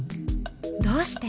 どうして？